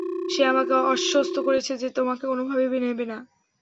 সে আমাকে আশ্বস্ত করেছে যে তোমাকে কোনোভাবেই নেবে না।